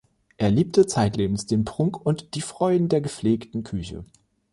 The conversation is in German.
Er liebte zeitlebens den Prunk und die Freuden der gepflegten Küche.